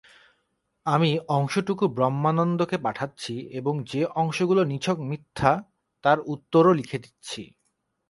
আমি অংশটুকু ব্রহ্মানন্দকে পাঠাচ্ছি এবং যে অংশগুলি নিছক মিথ্যা, তার উত্তরও লিখে দিচ্ছি।